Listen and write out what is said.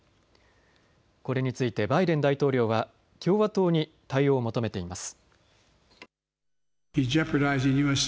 これについてバイデン大統領は共和党に対応を求めています。